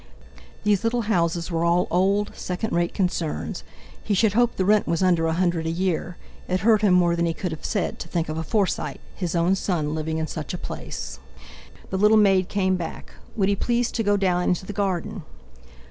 These little houses were all old, second rate concerns; he should hope the rent was under a hundred a year; it hurt him more than he could have said, to think of a Forsyte—his own son living in such a place. The little maid came back. Would he please to go down into the garden?